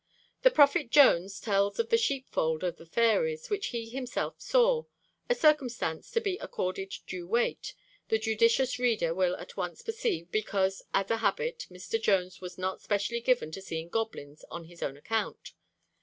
The Prophet Jones tells of the sheepfold of the fairies, which he himself saw a circumstance to be accorded due weight, the judicious reader will at once perceive, because as a habit Mr. Jones was not specially given to seeing goblins on his own account.